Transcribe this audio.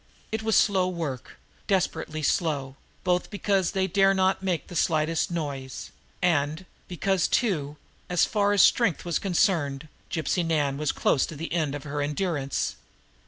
It was slow work, desperately slow, both because they dared not make the slightest noise, and because, too, as far as strength was concerned, Gypsy Nan was close to the end of her endurance.